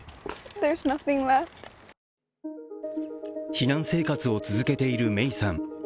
避難生活を続けているメイさん。